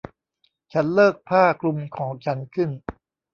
ฉันเลิกผ้าคลุมของฉันขึ้น